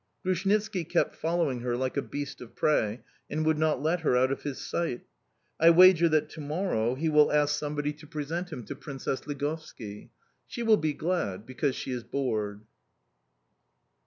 Grushnitski kept following her like a beast of prey, and would not let her out of his sight. I wager that to morrow he will ask somebody to present him to Princess Ligovski. She will be glad, because she is bored.